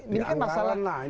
di anggaran lah